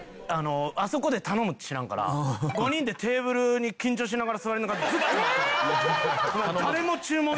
あそこで頼むって知らんから５人でテーブルに緊張しながら座りながらどうなの？